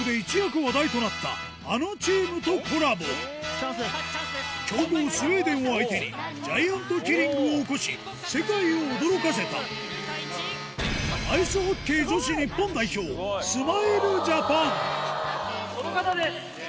最後は強豪スウェーデンを相手にジャイアントキリングを起こし世界を驚かせたこの方です！